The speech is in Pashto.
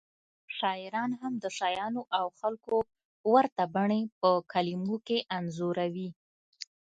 شاعران هم د شیانو او خلکو ورته بڼې په کلمو کې انځوروي